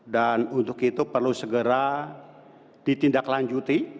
dan untuk itu perlu segera ditindaklanjuti